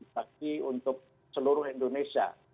bagi untuk seluruh indonesia